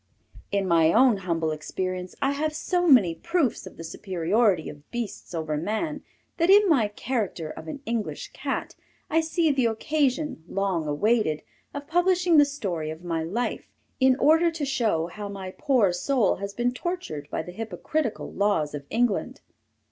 In my own humble experience, I have so many proofs of the superiority of Beasts over Man that in my character of an English Cat I see the occasion, long awaited, of publishing the story of my life, in order to show how my poor soul has been tortured by the hypocritical laws of England.